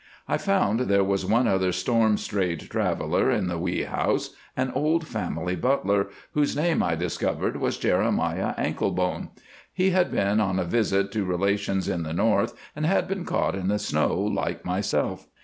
I found there was one other storm stayed traveller in the wee house, an old family butler, whose name I discovered was Jeremiah Anklebone. He had been on a visit to relations in the North, and had been caught in the snow like myself.